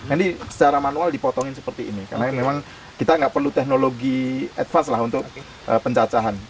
ini secara manual dipotongin seperti ini karena memang kita nggak perlu teknologi advance lah untuk pencacahan